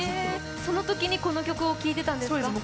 そのときに、この曲を聴いてたんですか？